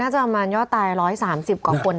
ใช่